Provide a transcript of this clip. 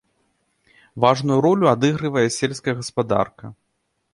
Важную ролю адыгрывае сельская гаспадарка.